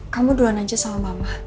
kamu duluan aja sama mama